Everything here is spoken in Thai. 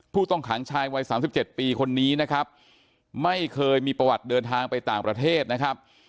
ผู้ต้องขังชายวัย๓๗ปีคนนี้นะครับไม่เคยมีประวัติเดินทางไปต่างประเทศนะครับ